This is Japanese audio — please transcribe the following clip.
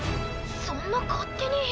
そんな勝手に。